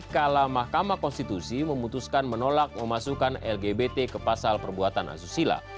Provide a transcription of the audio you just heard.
kala mahkamah konstitusi memutuskan menolak memasukkan lgbt ke pasal perbuatan asusila